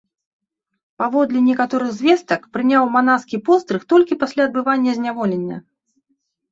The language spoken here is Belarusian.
Паводле некаторых звестак, прыняў манаскі пострыг толькі пасля адбывання зняволення.